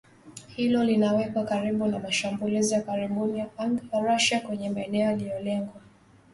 Hilo linawaweka karibu na mashambulizi ya karibuni ya anga ya Russia kwenye maeneo yaliyolenga magharibi mwa Ukraine.